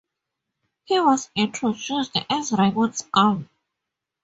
He was introduced as Raymond Scum.